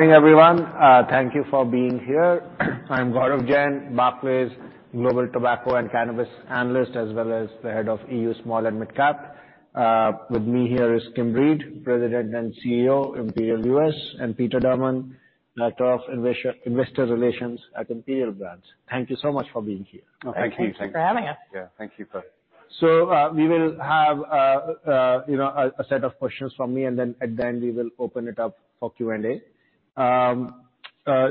Good evening, everyone. Thank you for being here. I'm Gaurav Jain, Barclays Global Tobacco and Cannabis analyst, as well as the head of EU Small and Mid-Cap. With me here is Kim Reed, President and CEO, Imperial US, and Peter Durman, Director of Investor Relations at Imperial Brands. Thank you so much for being here. Thank you. Thanks for having us. Yeah. Thank you for- We will have, you know, a set of questions from me, and then at the end, we will open it up for Q&A.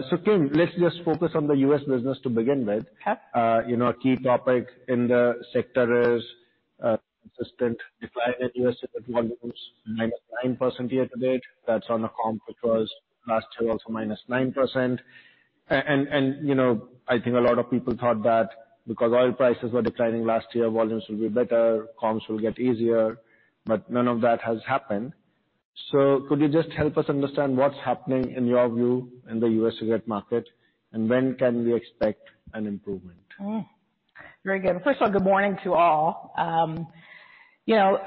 So, Kim, let's just focus on the U.S. business to begin with. Sure. You know, a key topic in the sector is consistent decline in U.S., with volumes minus 9% year to date. That's on a comp, which was last year, also minus 9%. And you know, I think a lot of people thought that because oil prices were declining last year, volumes will be better, comps will get easier, but none of that has happened. So could you just help us understand what's happening, in your view, in the U.S. cigarette market, and when can we expect an improvement? Hmm. Very good. First of all, good morning to all. You know,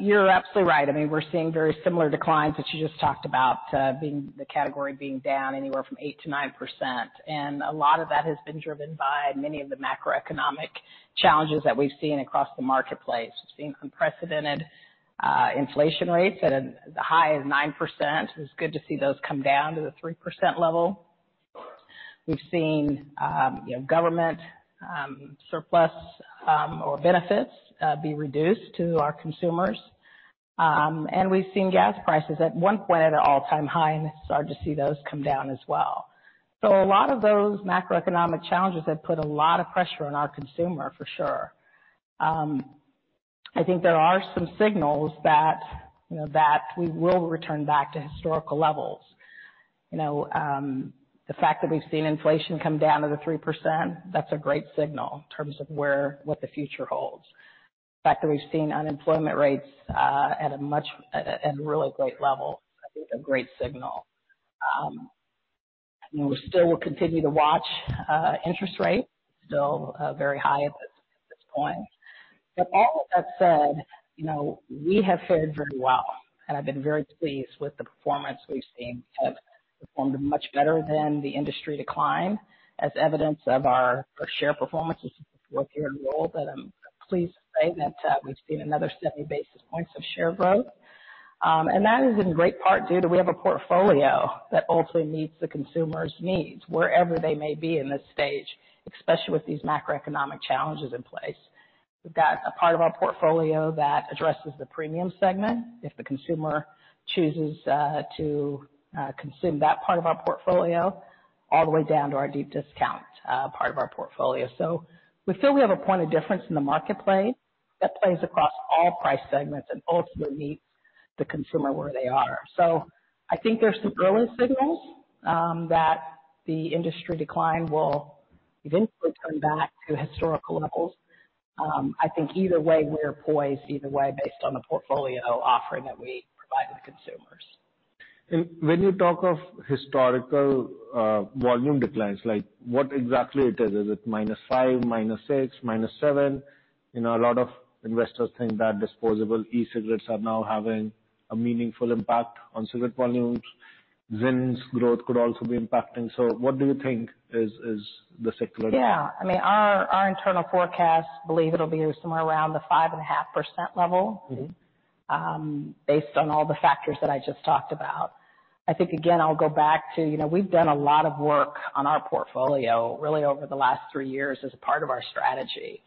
you're absolutely right. I mean, we're seeing very similar declines that you just talked about, the category being down anywhere from 8%-9%. And a lot of that has been driven by many of the macroeconomic challenges that we've seen across the marketplace. We've seen unprecedented inflation rates at a, as high as 9%. It's good to see those come down to the 3% level. We've seen, you know, government surplus or benefits be reduced to our consumers. And we've seen gas prices at one point at an all-time high, and it's started to see those come down as well. So a lot of those macroeconomic challenges have put a lot of pressure on our consumer, for sure. I think there are some signals that, you know, that we will return back to historical levels. You know, the fact that we've seen inflation come down to the 3%, that's a great signal in terms of where, what the future holds. The fact that we've seen unemployment rates at a really great level, I think a great signal. And we still will continue to watch interest rates, still very high at this point. But all of that said, you know, we have fared very well, and I've been very pleased with the performance we've seen. We have performed much better than the industry decline, as evidence of our share performance. This is the fourth year in a row that I'm pleased to say that we've seen another 70 basis points of share growth. And that is in great part due to we have a portfolio that ultimately meets the consumers' needs, wherever they may be in this stage, especially with these macroeconomic challenges in place. We've got a part of our portfolio that addresses the premium segment, if the consumer chooses to consume that part of our portfolio, all the way down to our deep discount part of our portfolio. So we feel we have a point of difference in the marketplace that plays across all price segments and ultimately meets the consumer where they are. So I think there's some early signals that the industry decline will eventually come back to historical levels. I think either way, we're poised either way, based on the portfolio offering that we provide to the consumers. When you talk of historical volume declines, like, what exactly it is? Is it -5, -6, -7? You know, a lot of investors think that disposable e-cigarettes are now having a meaningful impact on cigarette volumes. ZYN growth could also be impacting. So what do you think is, is the secular? Yeah. I mean, our internal forecasts believe it'll be somewhere around the 5.5% level- Mm-hmm. Based on all the factors that I just talked about. I think, again, I'll go back to, you know, we've done a lot of work on our portfolio, really over the last three years as a part of our strategy.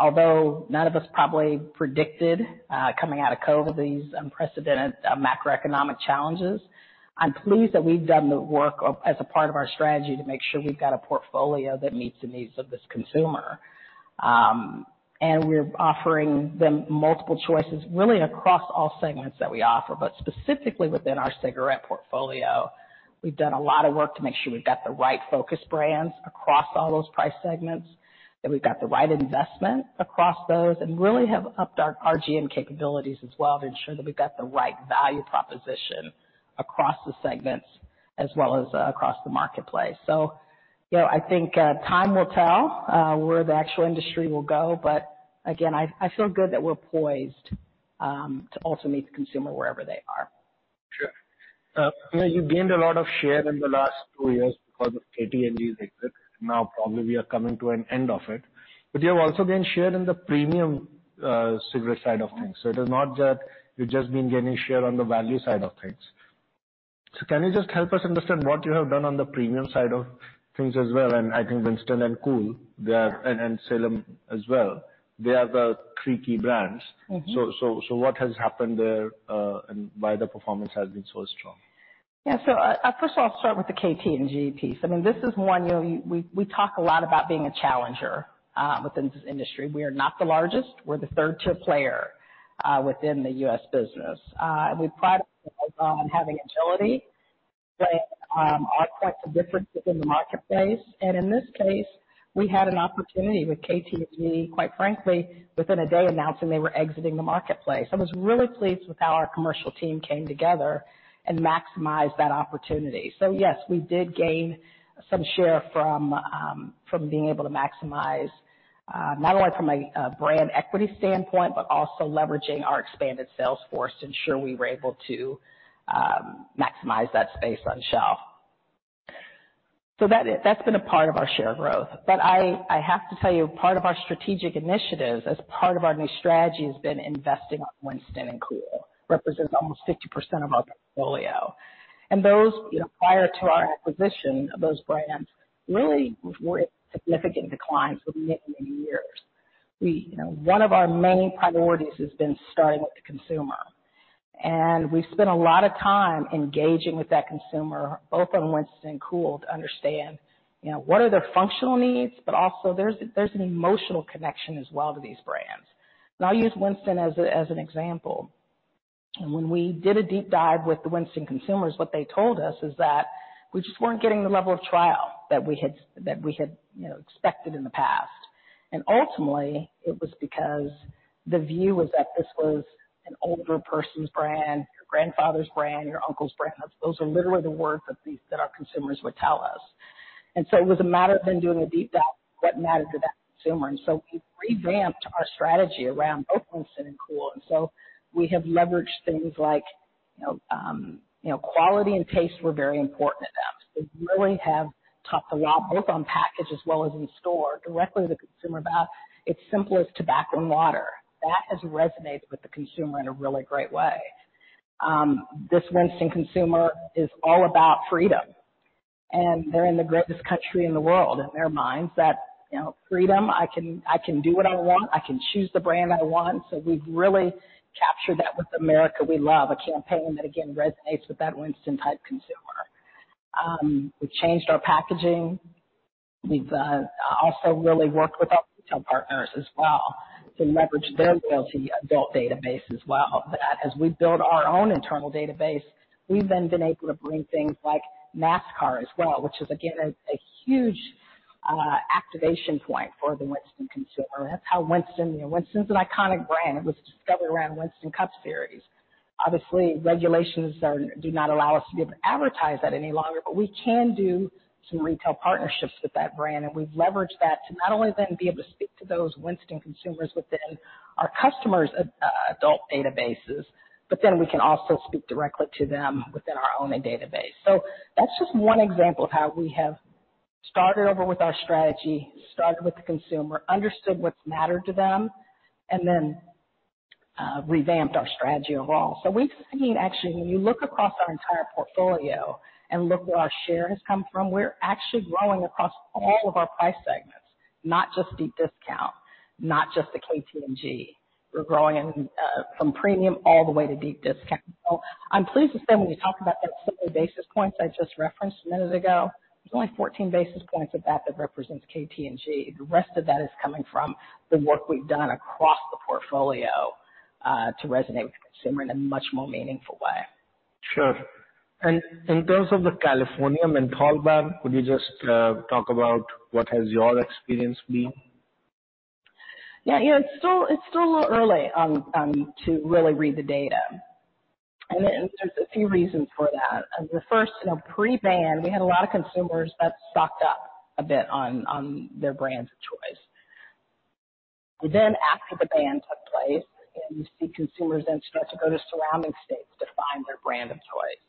Although none of us probably predicted coming out of COVID these unprecedented macroeconomic challenges, I'm pleased that we've done the work of, as a part of our strategy, to make sure we've got a portfolio that meets the needs of this consumer. We're offering them multiple choices, really across all segments that we offer, but specifically within our cigarette portfolio. We've done a lot of work to make sure we've got the right focus brands across all those price segments, that we've got the right investment across those, and really have upped our RGM capabilities as well, to ensure that we've got the right value proposition across the segments as well as across the marketplace. So, you know, I think time will tell where the actual industry will go, but again, I feel good that we're poised to also meet the consumer wherever they are. Sure. You know, you gained a lot of share in the last two years because of KT&G exit. Now, probably we are coming to an end of it, but you have also gained share in the premium, cigarette side of things. So it is not that you've just been gaining share on the value side of things. So can you just help us understand what you have done on the premium side of things as well? And I think Winston and Kool there- Yeah. and Salem as well, they are the three key brands. Mm-hmm. So, what has happened there, and why the performance has been so strong? Yeah. So, first of all, I'll start with the KT&G piece. I mean, this is one, you know, we, we talk a lot about being a challenger within this industry. We are not the largest. We're the third-tier player within the US business. And we pride ourselves on having agility, but are quite the difference within the marketplace. And in this case, we had an opportunity with KT&G, quite frankly, within a day announcing they were exiting the marketplace. I was really pleased with how our commercial team came together and maximized that opportunity. So yes, we did gain some share from, from being able to maximize, not only from a, brand equity standpoint, but also leveraging our expanded sales force to ensure we were able to, maximize that space on shelf. So that is, that's been a part of our share growth. But I, I have to tell you, part of our strategic initiatives as part of our new strategy has been investing on Winston and Kool, represents almost 60% of our portfolio. And those, you know, prior to our acquisition of those brands, really were in significant declines for many, many years. We, you know, one of our main priorities has been starting with the consumer, and we've spent a lot of time engaging with that consumer, both on Winston and Kool, to understand, you know, what are their functional needs, but also there's an emotional connection as well to these brands. And I'll use Winston as an example. When we did a deep dive with the Winston consumers, what they told us is that we just weren't getting the level of trial that we had, you know, expected in the past. And ultimately, it was because the view was that this was an older person's brand, your grandfather's brand, your uncle's brand. Those are literally the words that our consumers would tell us. And so it was a matter of then doing a deep dive, what mattered to that consumer. We revamped our strategy around both Winston and Kool, and so we have leveraged things like, you know, you know, quality and taste were very important to them. We really have talked a lot, both on package as well as in store, directly to the consumer about its simplest tobacco and water. That has resonated with the consumer in a really great way. This Winston consumer is all about freedom, and they're in the greatest country in the world. In their minds, that, you know, freedom, I can, I can do what I want. I can choose the brand I want. We've really captured that with America We Love, a campaign that, again, resonates with that Winston type consumer. We've changed our packaging. We've also really worked with our retail partners as well to leverage their loyalty adult database as well. But as we build our own internal database, we've then been able to bring things like NASCAR as well, which is, again, a huge activation point for the Winston consumer. That's how Winston, you know, Winston's an iconic brand. It was discovered around Winston Cup Series. Obviously, regulations do not allow us to be able to advertise that any longer, but we can do some retail partnerships with that brand, and we've leveraged that to not only then be able to speak to those Winston consumers within our customers' adult databases, but then we can also speak directly to them within our own database. So that's just one example of how we have started over with our strategy, started with the consumer, understood what's mattered to them, and then revamped our strategy overall. So we've seen actually, when you look across our entire portfolio and look where our share has come from, we're actually growing across all of our price segments, not just deep discount, not just the KT&G. We're growing in, from premium all the way to deep discount. So I'm pleased to say, when we talk about those simple basis points I just referenced a minute ago, there's only 14 basis points of that that represents KT&G. The rest of that is coming from the work we've done across the portfolio, to resonate with the consumer in a much more meaningful way. Sure. And in terms of the California menthol ban, could you just talk about what has your experience been? Yeah, you know, it's still, it's still a little early on, to really read the data, and there's a few reasons for that. The first, you know, pre-ban, we had a lot of consumers that stocked up a bit on, on their brands of choice. Then after the ban took place, and you see consumers then start to go to surrounding states to find their brand of choice.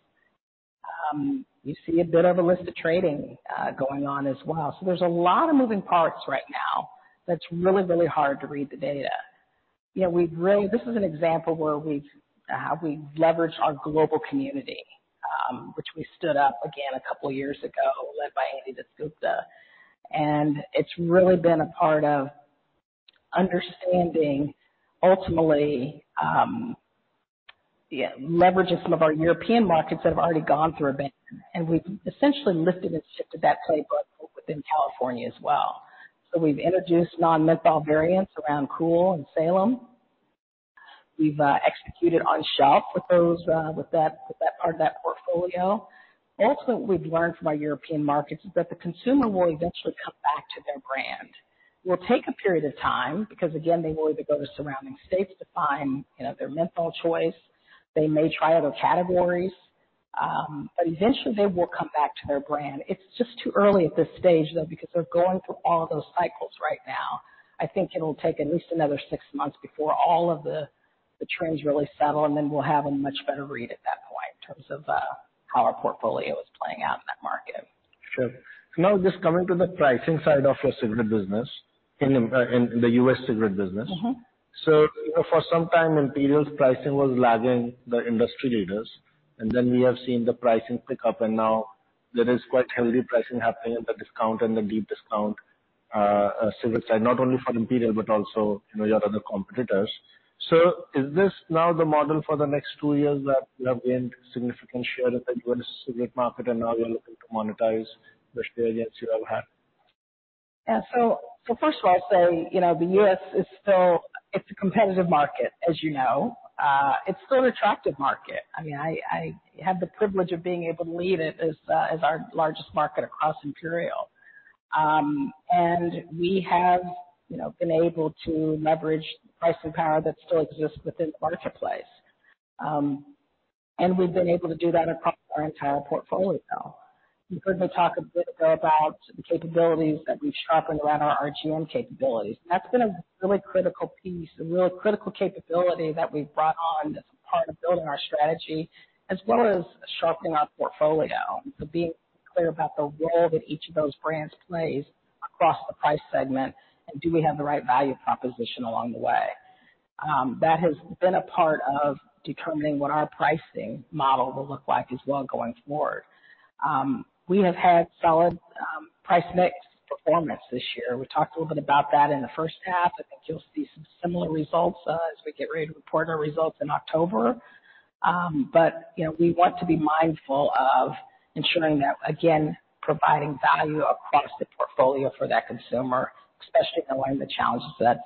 You see a bit of illicit trading, going on as well. So there's a lot of moving parts right now that's really, really hard to read the data. You know, we've really... This is an example where we've, we've leveraged our global community, which we stood up again a couple of years ago, led by Andy Gupta. It's really been a part of understanding ultimately leveraging some of our European markets that have already gone through a ban, and we've essentially lifted and shifted that playbook within California as well. So we've introduced non-menthol variants around Kool and Salem. We've executed on shelf with those, with that, with that part of that portfolio. Ultimately, what we've learned from our European markets is that the consumer will eventually come back to their brand. It will take a period of time because, again, they will either go to surrounding states to find, you know, their menthol choice. They may try other categories, but eventually they will come back to their brand. It's just too early at this stage, though, because they're going through all those cycles right now. I think it'll take at least another six months before all of the trends really settle, and then we'll have a much better read at that point in terms of how our portfolio is playing out in that market. Sure. Now, just coming to the pricing side of your cigarette business, in the U.S. cigarette business. Mm-hmm. For some time, Imperial's pricing was lagging the industry leaders, and then we have seen the pricing pick up, and now there is quite healthy pricing happening in the discount and the deep discount cigarette side, not only for Imperial, but also, you know, your other competitors. Is this now the model for the next two years, that you have gained significant share in the U.S. cigarette market, and now you're looking to monetize the experience you have had? Yeah. So first of all, I'd say, you know, the U.S. is still... It's a competitive market, as you know. It's still an attractive market. I mean, I had the privilege of being able to lead it as our largest market across Imperial. And we have, you know, been able to leverage pricing power that still exists within the marketplace. And we've been able to do that across our entire portfolio now. You heard me talk a bit ago about the capabilities that we've sharpened around our RGM capabilities. That's been a really critical piece, a real critical capability that we've brought on as a part of building our strategy, as well as sharpening our portfolio. So being clear about the role that each of those brands plays... across the price segment, and do we have the right value proposition along the way? That has been a part of determining what our pricing model will look like as well going forward. We have had solid price mix performance this year. We talked a little bit about that in the first half. I think you'll see some similar results as we get ready to report our results in October. But, you know, we want to be mindful of ensuring that, again, providing value across the portfolio for that consumer, especially in light of the challenges that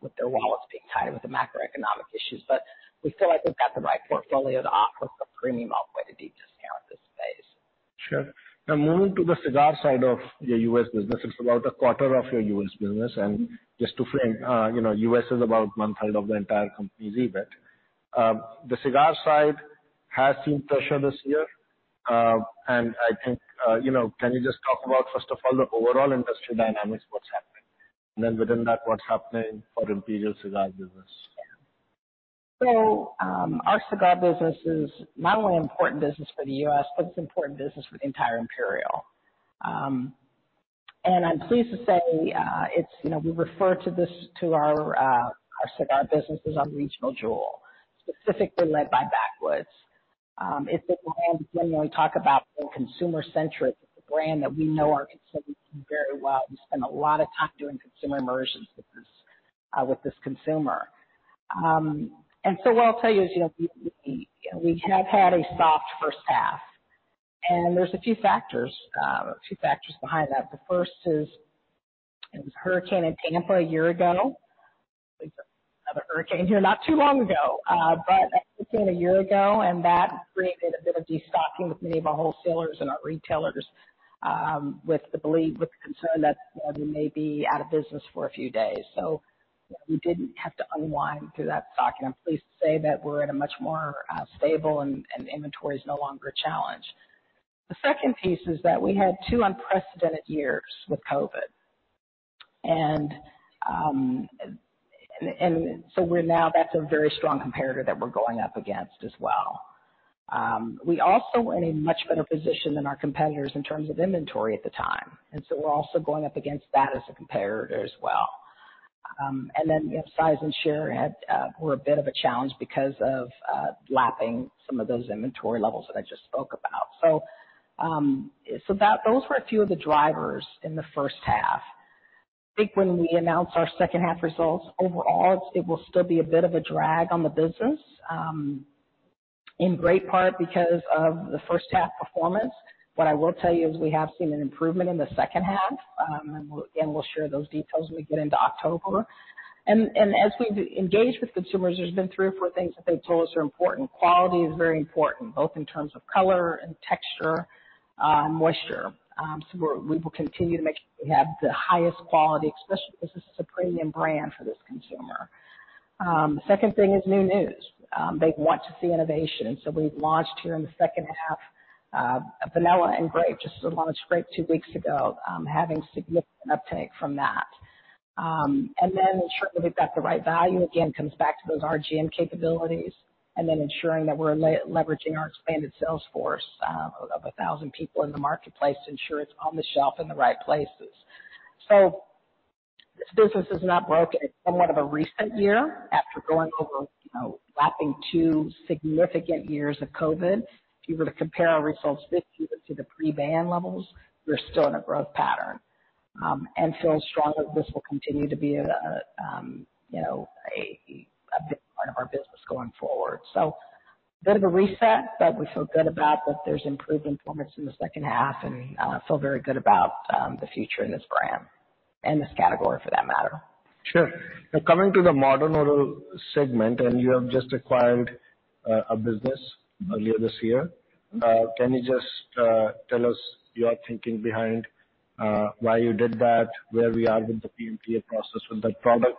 with their wallets being tied with the macroeconomic issues. But we still, I think, got the right portfolio to offer a premium offer by the deep discount in this space. Sure. Now, moving to the cigar side of your U.S. business, it's about a quarter of your U.S. business. Just to frame, you know, U.S. is about one-third of the entire company EBIT. The cigar side has seen pressure this year. And I think, you know, can you just talk about, first of all, the overall industry dynamics, what's happening? And then within that, what's happening for Imperial cigar business. So, our cigar business is not only an important business for the U.S., but it's an important business for the entire Imperial. And I'm pleased to say, it's, you know, we refer to this, to our cigar business as our regional jewel, specifically led by Backwoods. It's a brand, again, when we talk about being consumer-centric, it's a brand that we know our consumers very well. We spend a lot of time doing consumer immersions with this, with this consumer. And so what I'll tell you is, you know, we have had a soft first half, and there's a few factors, a few factors behind that. The first is, it was Hurricane in Tampa a year ago. Another hurricane here not too long ago, but that came a year ago, and that created a bit of destocking with many of our wholesalers and our retailers, with the belief, with the concern that, you know, we may be out of business for a few days. So we didn't have to unwind through that stocking. I'm pleased to say that we're in a much more stable and inventory is no longer a challenge. The second piece is that we had two unprecedented years with COVID, and so we're now... That's a very strong comparator that we're going up against as well. We also were in a much better position than our competitors in terms of inventory at the time, and so we're also going up against that as a comparator as well. And then, you know, size and share had were a bit of a challenge because of lapping some of those inventory levels that I just spoke about. So those were a few of the drivers in the first half. I think when we announce our second half results, overall, it will still be a bit of a drag on the business, in great part because of the first half performance. What I will tell you is we have seen an improvement in the second half. And we'll, again, we'll share those details when we get into October. And as we've engaged with consumers, there's been three or four things that they've told us are important. Quality is very important, both in terms of color and texture, moisture. So we're, we will continue to make sure we have the highest quality, especially because this is a premium brand for this consumer. Second thing is new news. They want to see innovation. So we've launched here in the second half, vanilla and grape. Just launched grape two weeks ago, having significant uptake from that. And then ensuring that we've got the right value, again, comes back to those RGM capabilities, and then ensuring that we're leveraging our expanded sales force, of 1,000 people in the marketplace to ensure it's on the shelf in the right places. So this business is not broken. It's somewhat of a recent year after going over, you know, lapping 2 significant years of COVID. If you were to compare our results this year to the pre-ban levels, we're still in a growth pattern, and feel strongly this will continue to be a you know a big part of our business going forward. So a bit of a reset, but we feel good about that there's improved performance in the second half and feel very good about the future in this brand and this category for that matter. Sure. Now, coming to the Modern Oral segment, and you have just acquired a business earlier this year. Mm-hmm. Can you just tell us your thinking behind why you did that, where we are with the PMTA process with that product?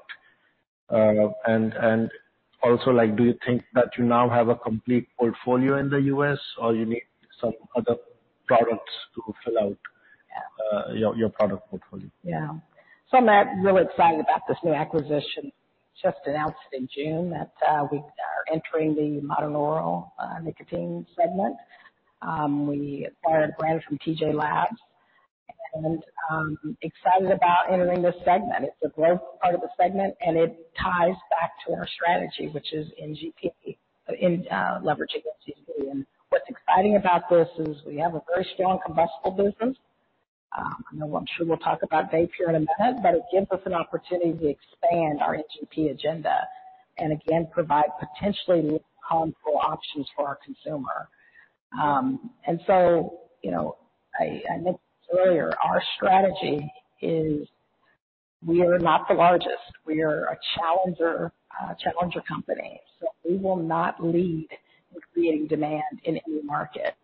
And also, like, do you think that you now have a complete portfolio in the U.S., or you need some other products to fill out- Yeah. your product portfolio? Yeah. So I'm really excited about this new acquisition, just announced in June, that we are entering the Modern Oral nicotine segment. We acquired a brand from TJP Labs, and excited about entering this segment. It's a growth part of the segment, and it ties back to our strategy, which is NGP in leveraging NGP. And what's exciting about this is we have a very strong combustible business. You know, I'm sure we'll talk about vape here in a minute, but it gives us an opportunity to expand our NGP agenda and again, provide potentially less harmful options for our consumer. And so, you know, I mentioned this earlier, our strategy is we are not the largest, we are a challenger challenger company, so we will not lead with creating demand in any market.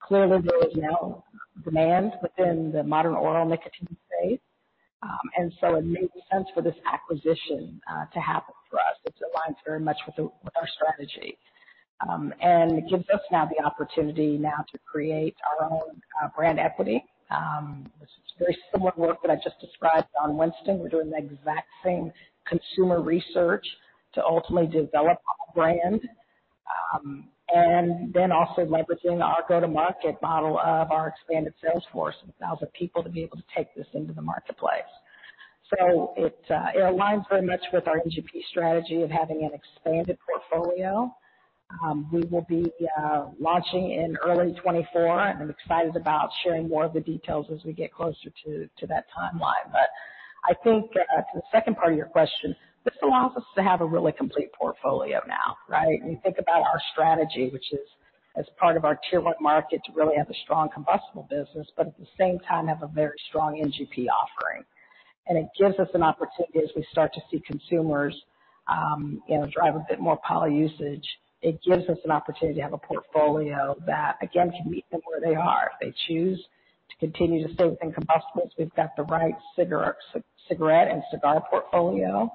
Clearly, there is now demand within the modern oral nicotine space. And so it made sense for this acquisition to happen for us. It aligns very much with the, with our strategy, and gives us now the opportunity now to create our own, brand equity. This is very similar work that I just described on Winston. We're doing the exact same consumer research to ultimately develop our brand.... and then also leveraging our go-to-market model of our expanded sales force, 1,000 people, to be able to take this into the marketplace. So it, it aligns very much with our NGP strategy of having an expanded portfolio. We will be launching in early 2024, and I'm excited about sharing more of the details as we get closer to, to that timeline. But I think, to the second part of your question, this allows us to have a really complete portfolio now, right? When you think about our strategy, which is as part of our tier one market, to really have a strong combustible business, but at the same time, have a very strong NGP offering. And it gives us an opportunity as we start to see consumers, you know, drive a bit more poly usage, it gives us an opportunity to have a portfolio that, again, can meet them where they are. If they choose to continue to stay within combustibles, we've got the right cigarette and cigar portfolio,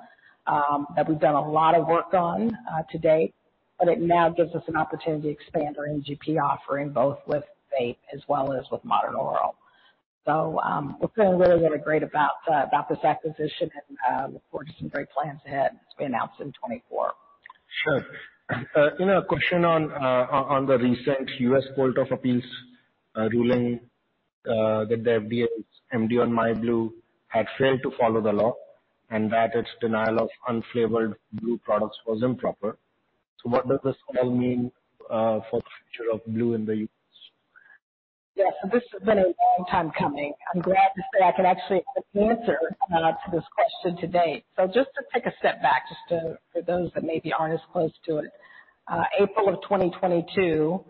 that we've done a lot of work on, to date. But it now gives us an opportunity to expand our NGP offering, both with vape as well as with modern oral. So, we're feeling really, really great about this acquisition, and we've got some great plans ahead to be announced in 2024. Sure. You know, a question on the recent U.S. Court of Appeals ruling that the FDA's MDO on myblu had failed to follow the law and that its denial of unflavored blu products was improper. So what does this all mean for the future of blu in the U.S.? Yeah, this has been a long time coming. I'm glad to say I can actually answer to this question today. Just to take a step back, just for those that maybe aren't as close to it, April of 2022,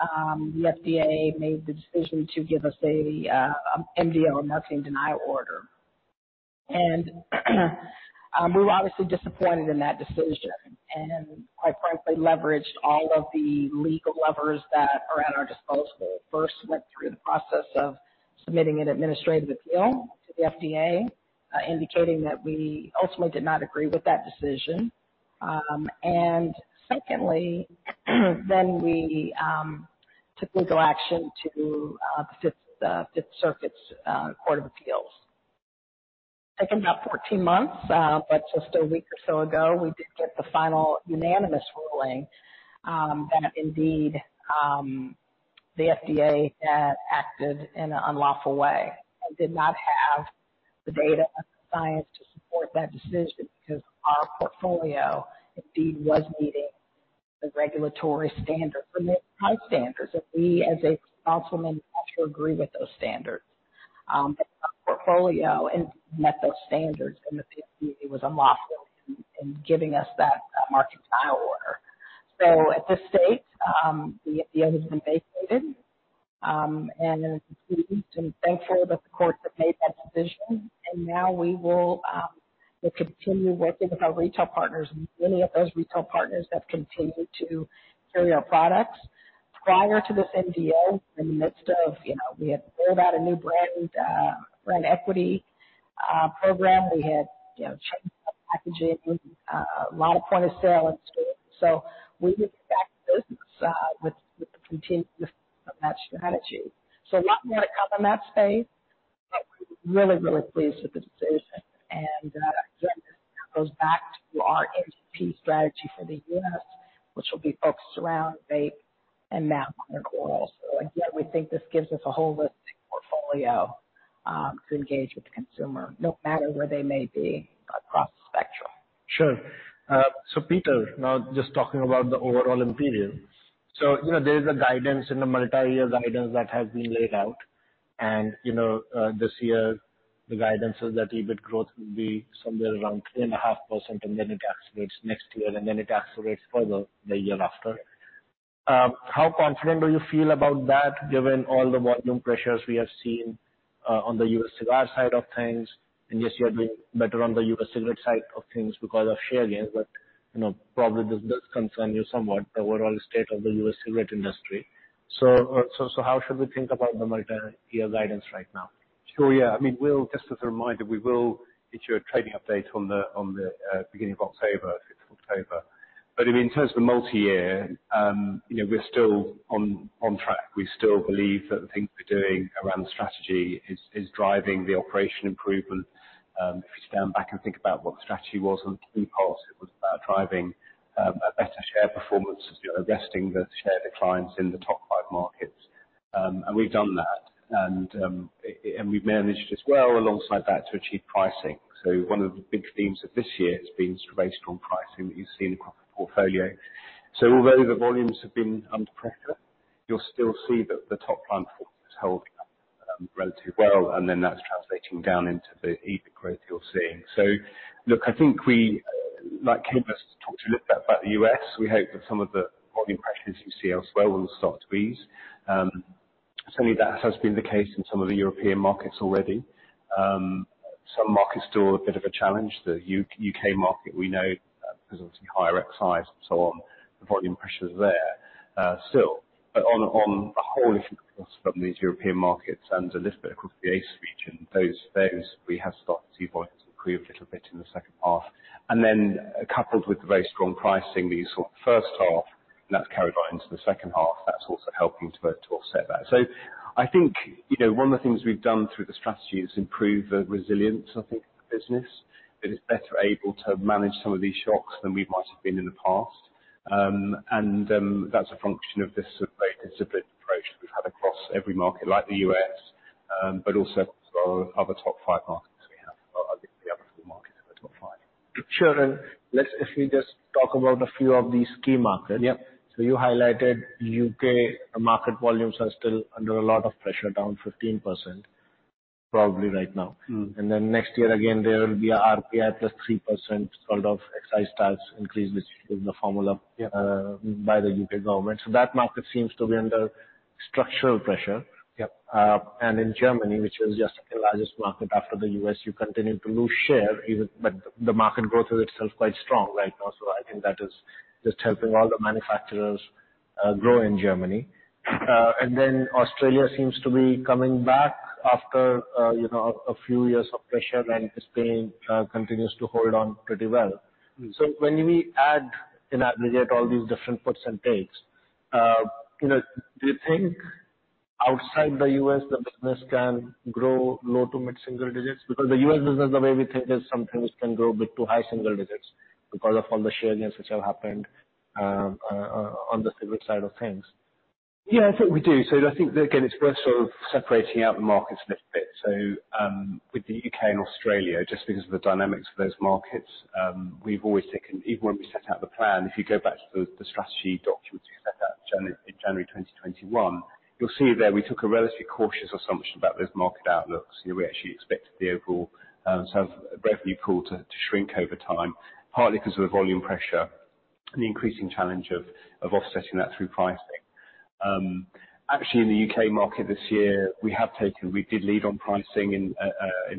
the FDA made the decision to give us a MDO, a marketing denial order. We were obviously disappointed in that decision and, quite frankly, leveraged all of the legal levers that are at our disposal. First, went through the process of submitting an administrative appeal to the FDA, indicating that we ultimately did not agree with that decision. Secondly, we took legal action to the Fifth Circuit's Court of Appeals. Taken about 14 months, but just a week or so ago, we did get the final unanimous ruling, that indeed, the FDA had acted in an unlawful way and did not have the data and the science to support that decision, because our portfolio indeed was meeting the regulatory standard, the high standards, and we as a councilman, have to agree with those standards. But our portfolio met those standards, and the FDA was unlawful in giving us that, market denial order. So at this state, the FDA has been vacated, and we're pleased and thankful that the courts have made that decision. And now we will, we'll continue working with our retail partners and many of those retail partners have continued to carry our products. Prior to this MDO, in the midst of, you know, we had rolled out a new brand, brand equity program. We had, you know, packaging, a lot of point-of-sale in store. So we get back to business, with the continued of that strategy. So a lot more to come in that space, but we're really, really pleased with the decision. And, again, this goes back to our NGP strategy for the US, which will be focused around vape and now modern oral. So again, we think this gives us a holistic portfolio, to engage with the consumer, no matter where they may be across the spectrum. Sure. So, Peter, now just talking about the overall Imperial. So, you know, there is a guidance in the multi-year guidance that has been laid out. And, you know, this year, the guidance is that EBIT growth will be somewhere around 3.5%, and then it accelerates next year, and then it accelerates further the year after. How confident do you feel about that, given all the volume pressures we have seen on the U.S. cigar side of things? And yes, you are doing better on the U.S. cigarette side of things because of share gains, but, you know, probably this does concern you somewhat, the overall state of the U.S. cigarette industry. So, how should we think about the multi-year guidance right now? Sure. Yeah. I mean, we'll just as a reminder, we will get you a trading update on the beginning of October, fifth of October. But I mean, in terms of the multi-year, you know, we're still on track. We still believe that the things we're doing around the strategy is driving the operation improvement. If you stand back and think about what the strategy was on in part, it was about driving a better share performance, arresting the share declines in the top five markets. And we've done that. And we've managed as well alongside that to achieve pricing. So one of the big themes of this year has been sort of based on pricing that you've seen across the portfolio. So although the volumes have been under pressure, you'll still see that the top line performance has held up, relatively well, and then that's translating down into the EBIT growth you're seeing. So, look, I think we, like Kim talked a little bit about the U.S., we hope that some of the volume pressures you see elsewhere will start to ease. Certainly that has been the case in some of the European markets already. Some markets still a bit of a challenge. The U.K., U.K. market, we know there's obviously higher excise and so on, the volume pressures there. Still, but on, on the whole, from these European markets and a little bit across the ACE region, those, those we have started to see volumes improve a little bit in the second half. And then coupled with the very strong pricing that you saw in the first half, and that's carried on into the second half, that's also helping to offset that. So I think, you know, one of the things we've done through the strategy is improve the resilience, I think, of the business. But it's better able to manage some of these shocks than we might have been in the past. That's a function of this very disciplined approach we've had across every market, like the US, but also our other top five markets we have, or I think the other four markets in the top five. Sure, and let's, if we just talk about a few of these key markets. Yeah. So you highlighted U.K., market volumes are still under a lot of pressure, down 15% probably right now. Mm. Then next year, again, there will be a RPI plus 3% sort of excise tax increase, which is in the formula- Yeah by the UK government. So that market seems to be under structural pressure. Yep. And in Germany, which is your second largest market after the US, you continue to lose share, even but the market growth is itself quite strong right now. So I think that is just helping all the manufacturers grow in Germany. And then Australia seems to be coming back after, you know, a few years of pressure, and Spain continues to hold on pretty well. Mm. So when we add, in aggregate, all these different percentages, you know, do you think outside the U.S., the business can grow low- to mid-single digits? Because the U.S. business, the way we think, is something which can grow mid- to high single digits because of all the share gains which have happened, on the cig side of things. Yeah, I think we do. So I think that, again, it's worth sort of separating out the markets a little bit. So, with the UK and Australia, just because of the dynamics of those markets, we've always taken... Even when we set out the plan, if you go back to the strategy documents we set out in January, January 2021, you'll see there we took a relatively cautious assumption about those market outlooks. We actually expected the overall, sort of revenue pool to shrink over time, partly because of the volume pressure and the increasing challenge of offsetting that through pricing. Actually, in the UK market this year, we did lead on pricing in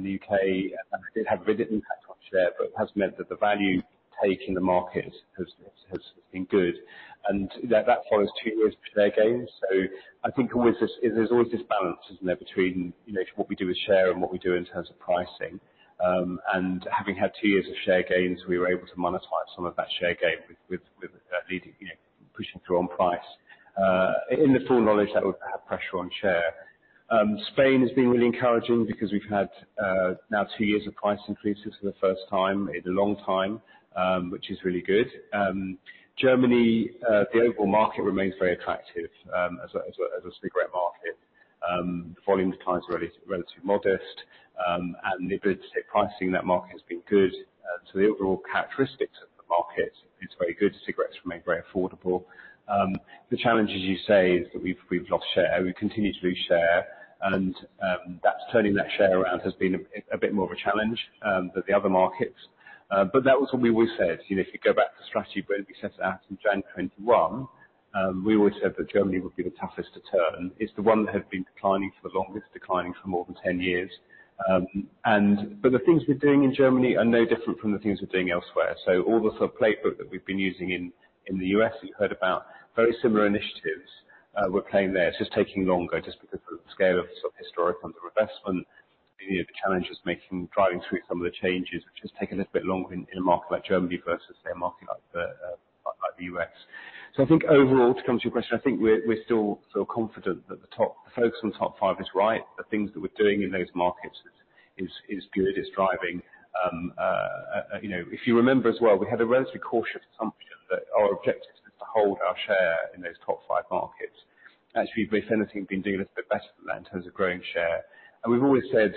the UK, and it did have an impact on share, but it has meant that the value take in the market has been good, and that follows two years of share gains. So I think always this, there's always this balance, isn't there, between, you know, what we do with share and what we do in terms of pricing. And having had two years of share gains, we were able to monetize some of that share gain with leading, you know, pushing through on price in the full knowledge that would have pressure on share. Spain has been really encouraging because we've had now two years of price increases for the first time in a long time, which is really good. Germany, the overall market remains very attractive, as a cigarette market. Volume declines are relatively modest, and the ability to take pricing in that market has been good. So the overall characteristics of the market is very good. Cigarettes remain very affordable. The challenge, as you say, is that we've, we've lost share, we continue to lose share, and that's turning that share around has been a bit more of a challenge than the other markets. But that was what we always said. You know, if you go back to the strategy when we set it out in January 2021, we always said that Germany would be the toughest to turn. It's the one that had been declining for the longest, declining for more than 10 years. And but the things we're doing in Germany are no different from the things we're doing elsewhere. So all the sort of playbook that we've been using in, in the U.S., you heard about, very similar initiatives, we're playing there. It's just taking longer just because of the scale of the sort of historical underinvestment. You know, the challenge is making, driving through some of the changes, which has taken a little bit longer in, in a market like Germany versus a market like the, like the U.S. So I think overall, to come to your question, I think we're, we're still feel confident that the top... focus on top five is right. The things that we're doing in those markets is, is good, is driving. You know, if you remember as well, we had a relatively cautious assumption that our objective was to hold our share in those top five markets. Actually, we've, if anything, been doing a bit better than that in terms of growing share. And we've always said,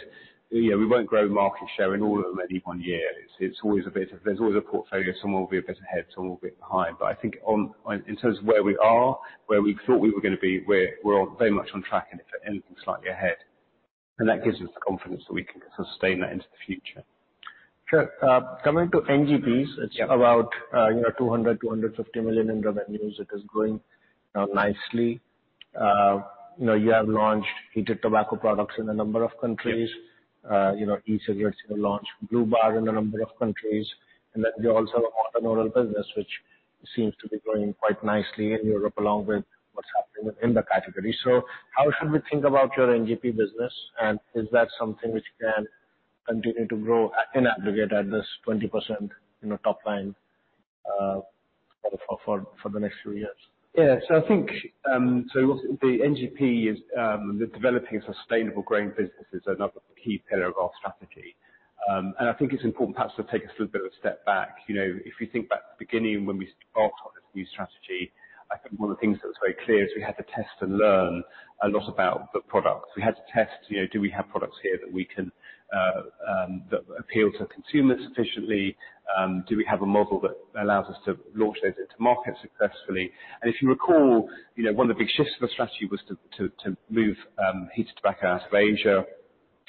you know, we won't grow market share in all of them any one year. It's, it's always a bit of... There's always a portfolio. Some will be a bit ahead, some will be behind. But I think on, in terms of where we are, where we thought we were going to be, we're, we're very much on track and if anything, slightly ahead. And that gives us the confidence that we can sustain that into the future. Sure. Coming to NGPs- Yeah. -it's about, you know, 200-250 million in revenues. It is growing nicely. You know, you have launched heated tobacco products in a number of countries. You know, e-cigarettes, you launched blu bar in a number of countries, and then you also have the oral business, which seems to be growing quite nicely in Europe, along with what's happening within the category. So how should we think about your NGP business, and is that something which can continue to grow in aggregate at this 20%, you know, top line, for the next few years? Yeah. So I think, so the NGP is, the developing a sustainable growing business is another key pillar of our strategy. And I think it's important perhaps to take a little bit of a step back. You know, if you think back to the beginning when we started on this new strategy, I think one of the things that was very clear is we had to test and learn a lot about the products. We had to test, you know, do we have products here that we can, that appeal to consumers sufficiently? Do we have a model that allows us to launch those into market successfully? And if you recall, you know, one of the big shifts of the strategy was to move, heated tobacco out of Asia,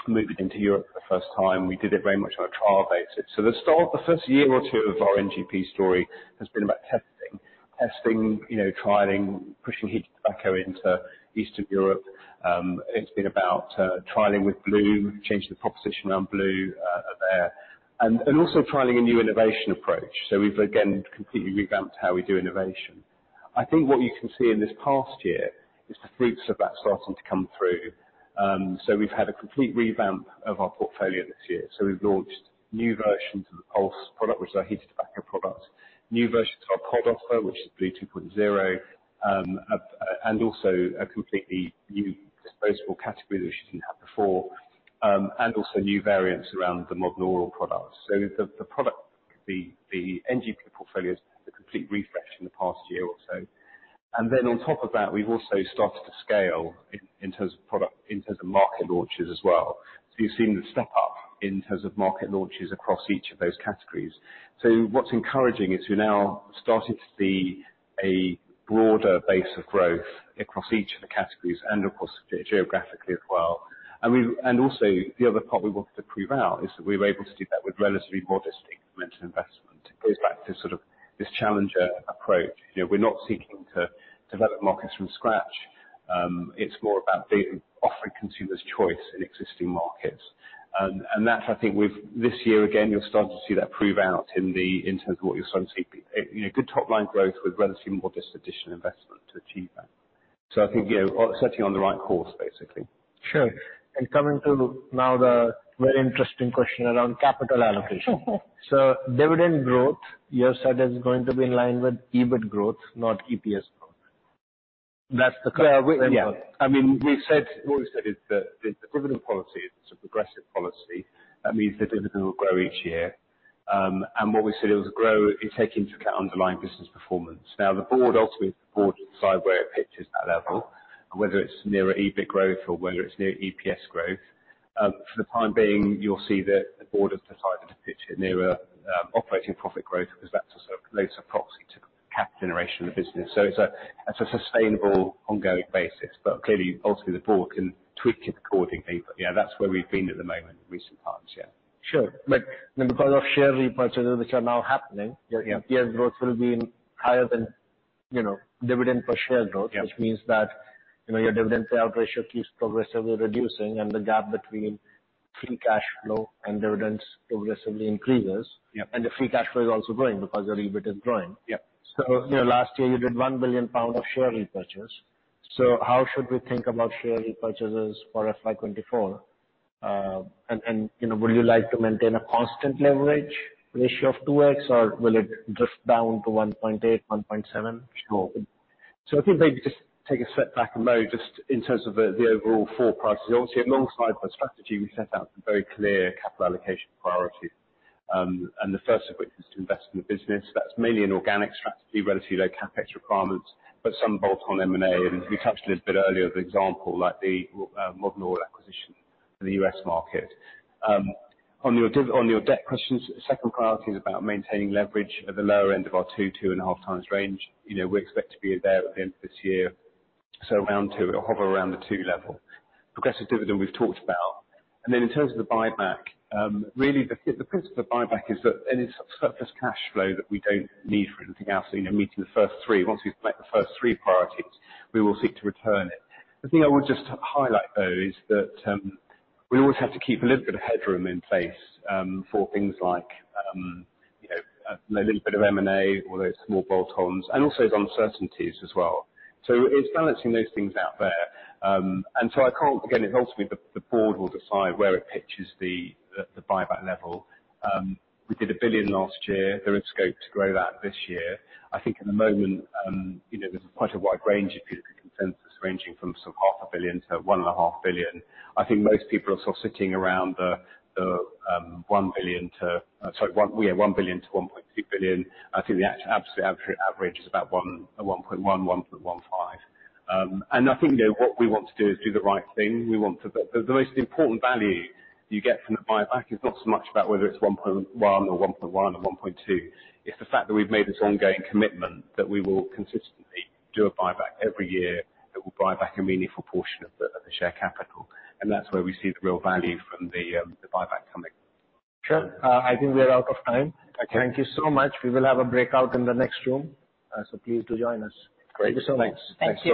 move it into Europe for the first time. We did it very much on a trial basis. So the start of the first year or two of our NGP story has been about testing. Testing, you know, trialing, pushing heated tobacco into Eastern Europe. It's been about trialing with blu, changing the proposition on blu there, and also trialing a new innovation approach. So we've again completely revamped how we do innovation. I think what you can see in this past year is the fruits of that starting to come through. So we've had a complete revamp of our portfolio this year. So we've launched new versions of the Pulze product, which is our heated tobacco product, new versions of our pod offer, which is blu 2.0, and also a completely new product-... Disposable category which we didn't have before, and also new variants around the Modern Oral products. So the NGP portfolio is a complete refresh in the past year or so. And then on top of that, we've also started to scale in terms of product, in terms of market launches as well. So you've seen the step up in terms of market launches across each of those categories. So what's encouraging is we now started to see a broader base of growth across each of the categories and across geographically as well. And also, the other part we wanted to prove out is that we were able to do that with relatively modest incremental investment. It goes back to sort of this challenger approach. You know, we're not seeking to develop markets from scratch, it's more about the offering consumers choice in existing markets. And that I think with this year, again, you'll start to see that prove out in the, in terms of what you're starting to see. You know, good top line growth with relatively modest additional investment to achieve that. So I think, you know, we're certainly on the right course, basically. Sure. And coming to now the very interesting question around capital allocation. So dividend growth, you have said that it's going to be in line with EBIT growth, not EPS growth. Yeah. I mean, we said, what we said is that the dividend policy is a progressive policy. That means the dividend will grow each year. And what we said, it will grow it taking into account underlying business performance. Now, the board, ultimately the board decide where it pitches that level, and whether it's near our EBIT growth or whether it's near EPS growth. For the time being, you'll see that the board has decided to pitch it nearer, operating profit growth, because that's a closer proxy to cash generation of the business. So it's a, that's a sustainable ongoing basis, but clearly, ultimately, the board can tweak it accordingly. But yeah, that's where we've been at the moment, in recent times. Yeah. Sure. But then, because of share repurchases, which are now happening- Yeah. - Your EPS growth will be higher than, you know, dividend per share growth. Yeah. Which means that, you know, your dividend payout ratio keeps progressively reducing, and the gap between free cash flow and dividends progressively increases. Yeah. The free cash flow is also growing because your EBIT is growing. Yeah. So, you know, last year you did 1 billion pound of share repurchase. So how should we think about share repurchases for FY 2024? And you know, would you like to maintain a constant leverage ratio of 2x, or will it drift down to 1.8, 1.7? Sure. So I think maybe just take a step back a moment, just in terms of the overall four priorities. Obviously, alongside our strategy, we set out a very clear capital allocation priority, and the first of which is to invest in the business. That's mainly an organic strategy, relatively low CapEx requirements, but some bolt-on M&A. And we touched on it a bit earlier, the example, like the Modern Oral acquisition in the U.S. market. On your debt questions, second priority is about maintaining leverage at the lower end of our 2-2.5 times range. You know, we expect to be there at the end of this year, so around 2, it'll hover around the 2 level. Progressive dividend, we've talked about. Then in terms of the buyback, really, the principle of buyback is that any surplus cash flow that we don't need for anything else, you know, meeting the first three, once we've met the first three priorities, we will seek to return it. The thing I would just highlight, though, is that we always have to keep a little bit of headroom in place for things like, you know, a little bit of M&A or those small bolt-ons, and also uncertainties as well. So it's balancing those things out there. And so I can't. Again, it's ultimately the board will decide where it pitches the buyback level. We did 1 billion last year. There is scope to grow that this year. I think at the moment, you know, there's quite a wide range of consensus, ranging from sort of 0.5 billion to 1.5 billion. I think most people are sort of sitting around the one billion to, sorry, yeah, 1 billion to 1.2 billion. I think the absolute average is about 1.1, 1.15. And I think, you know, what we want to do is do the right thing. We want to. The most important value you get from the buyback is not so much about whether it's 1.1 or 1.2, it's the fact that we've made this ongoing commitment, that we will consistently do a buyback every year, that will buy back a meaningful portion of the share capital. And that's where we see the real value from the buyback coming. Sure. I think we are out of time. Okay. Thank you so much. We will have a breakout in the next room, so please do join us. Great. Thank you so much. Thanks. Thank you.